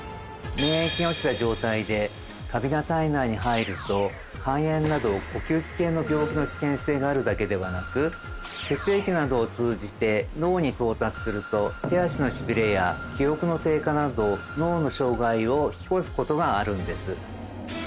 免疫が落ちた状態でカビが体内に入ると肺炎など呼吸器系の病気の危険性があるだけではなく血液などを通じて脳に到達すると。を引き起こすことがあるんです。